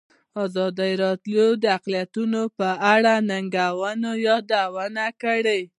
ازادي راډیو د اقلیتونه په اړه د ننګونو یادونه کړې.